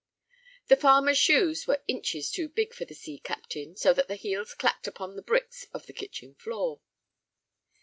The farmer's shoes were inches too big for the sea captain, so that the heels clacked upon the bricks of the kitchen floor.